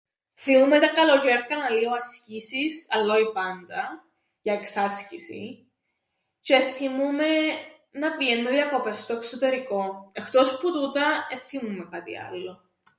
Θθυμούμαι τα καλοτžαίρκα να λύω ασκήσεις, αλλά όι πάντα, για εξάσκησην, τžαι θθυμούμαι να πηαίννω διακοπές στο εξωτερικόν. Εχτός που τούτα εν θθυμούμαι κάτι άλλον.